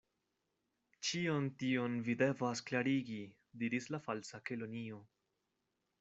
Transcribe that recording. "Ĉion tion vi devas klarigi," diris la Falsa Kelonio.